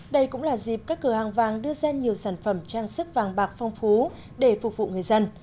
đây cũng là dịp các cửa hàng vàng đưa ra nhiều sản phẩm trang sức vàng bạc phong phú để phục vụ người dân